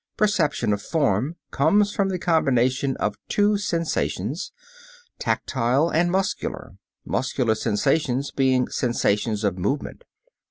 Perception of form comes from the combination of two sensations, tactile and muscular, muscular sensations being sensations of movement.